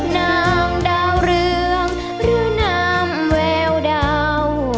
นางดาวเรืองหรือนางแววดาว